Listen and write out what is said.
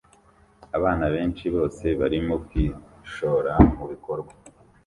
Abana benshi bose barimo kwishora mubikorwa